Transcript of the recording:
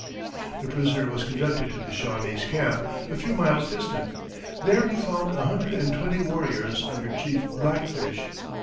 The prisoner was conducted to the Shawnese camp, a few miles distant. There he found a hundred and twenty warriors under Chief Black Fish.